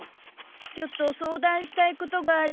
ちょっと相談したいことがあるんだけど。